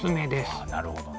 あなるほどね。